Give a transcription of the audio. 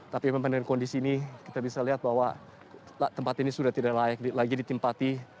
tapi memang dengan kondisi ini kita bisa lihat bahwa tempat ini sudah tidak layak lagi ditempati